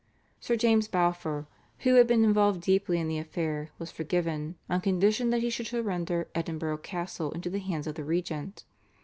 Sir James Balfour, who had been involved deeply in the affair, was forgiven, on condition that he should surrender Edinburgh Castle into the hands of the regent.